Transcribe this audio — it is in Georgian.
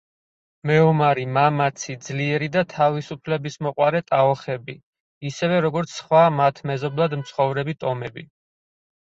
მეომარი, მამაცი, ძლიერი და თავისუფლებისმოყვარე ტაოხები, ისევე როგორც სხვა მათ მეზობლად მცხოვრები ტომები.